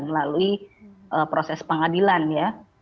melalui proses pengadilan ya